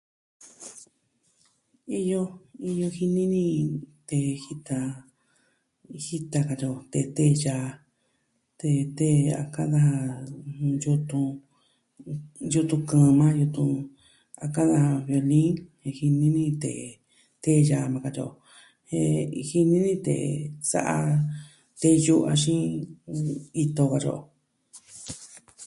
Iyo, iyo jini ni tee jita, jita katyio, tee tee yaa, tee tee a ka'an daja... ɨjɨn, yutun, yutun kɨɨn maa, yutun... a ka'an daja violin. iin jini ni tee. Tee yaa nuu katyi o. Jen jini ni tee sa'a teyu axin, mm, ito, katyi o.